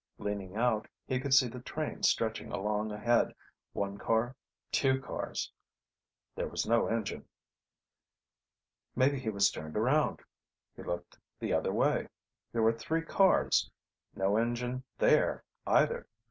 Leaning out, he could see the train stretching along ahead, one car, two cars There was no engine. Maybe he was turned around. He looked the other way. There were three cars. No engine there either.